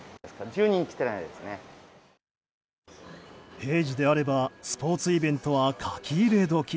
平時であればスポーツイベントは書き入れ時。